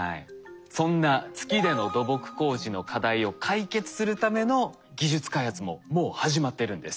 そんな月での土木工事の課題を解決するための技術開発ももう始まっているんです。